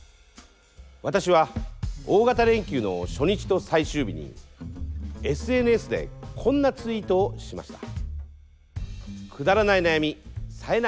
私は大型連休の初日と最終日にＳＮＳでこんなツイートをしました。